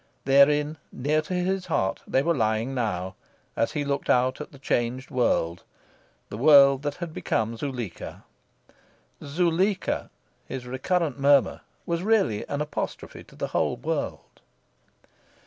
Therein, near to his heart, they were lying now, as he looked out at the changed world the world that had become Zuleika. "Zuleika!" his recurrent murmur, was really an apostrophe to the whole world.